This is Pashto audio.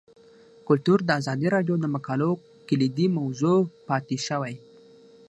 کلتور د ازادي راډیو د مقالو کلیدي موضوع پاتې شوی.